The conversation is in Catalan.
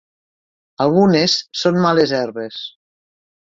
Algunes són males herbes.